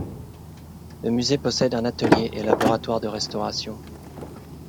Le musée possède un atelier et laboratoire de restauration.